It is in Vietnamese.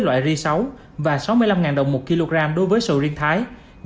loại r sáu và sáu mươi năm đồng một kg đối với sầu riêng thái